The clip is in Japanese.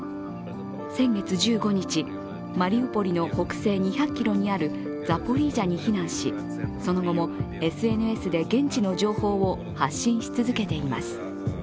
先月１５日、マリウポリの北西２００ｋｍにあるザポリージャに避難しその後もＳＮＳで現地の情報を発信し続けています。